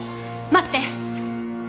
待って。